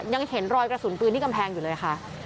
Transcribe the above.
ยังเห็นรอยกระสุนปืนที่กำแพงอยู่เลยค่ะ